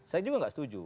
saya juga gak setuju